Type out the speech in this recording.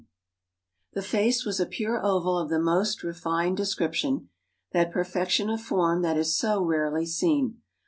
] "The face was a pure oval of the most refined description; that perfection of form that is so rarely seen.